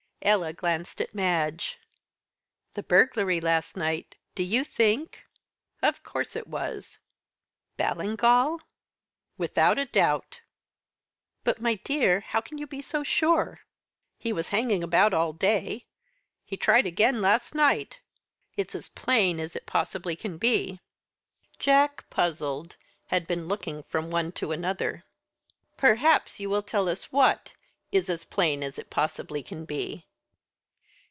Ella glanced at Madge. "The burglary last night do you think?" "Of course it was." "Ballingall?" "Without a doubt." "But, my dear, how can you be so sure?" "He was hanging about all day he tried again last night; it's as plain as it possibly can be." Jack, puzzled, had been looking from one to the other. "Perhaps you will tell us what is as plain as it possibly can be."